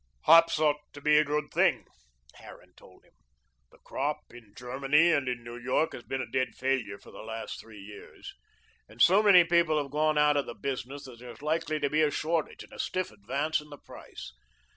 "Hops ought to be a good thing," Harran told him. "The crop in Germany and in New York has been a dead failure for the last three years, and so many people have gone out of the business that there's likely to be a shortage and a stiff advance in the price.